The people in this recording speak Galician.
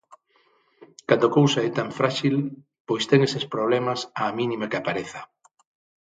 Cando a cousa é tan fráxil, pois ten eses problemas á mínima que apareza.